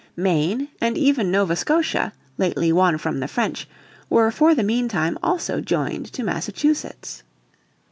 Maine and even Nova Scotia, lately won from the French, were for the meantime also joined to Massachusetts.